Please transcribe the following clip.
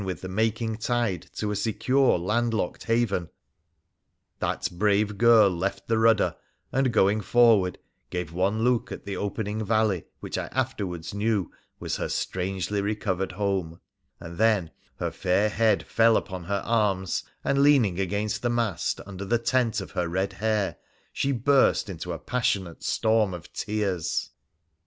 V """ u £. PHRA THE PHCEMCIAN II locked haven, that brave girl left the rudder, and, going forward, gave one look at the opening valley, which I afterwards knew was her strangely recovered home, and then her fair head fell upon her arms, and, leaning against the mast, under the tent of her red hair she burst into a passionate storm of tears.